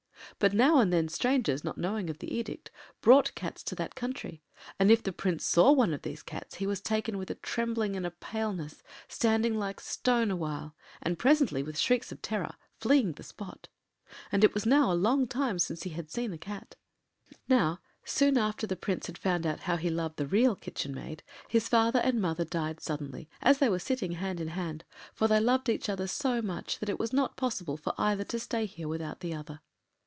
But now and then strangers, not knowing of the edict, brought cats to that country, and if the Prince saw one of these cats he was taken with a trembling and a paleness, standing like stone awhile, and presently, with shrieks of terror, fleeing the spot. And it was now a long time since he had seen a cat. Now, soon after the Prince had found out how he loved the Real Kitchen Maid, his father and mother died suddenly as they were sitting hand in hand, for they loved each other so much that it was not possible for either to stay here without the other.